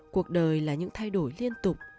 cuộc đời là những thay đổi liên tục